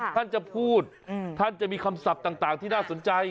ท่านจะพูดท่านจะมีคำศัพท์ต่างที่น่าสนใจ